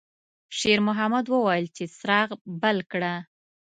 شېرمحمد وویل چې څراغ بل کړه.